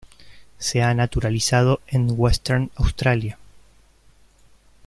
Se ha naturalizado en Western Australia.